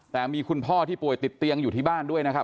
แต่มีคุณพ่อที่ป่วยติดเตียงอยู่ที่บ้านด้วยนะครับ